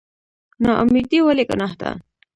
نااميدي ولې ګناه ده؟